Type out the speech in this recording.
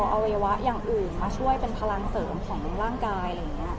เอาอวิวะอย่างอื่นมาช่วยเป็นพลังเสริมของร่างกาย